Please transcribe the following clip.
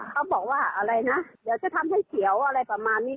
เขาบอกว่าอะไรนะเดี๋ยวจะทำให้เขียวอะไรประมาณนี้